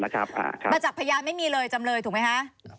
อ่าครับมาจากพยานไม่มีเลยจำเลยถูกมั้ยคะ